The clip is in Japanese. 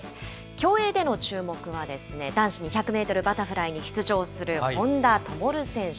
競泳での注目はですね、男子２００メートルバタフライに出場する本多灯選手。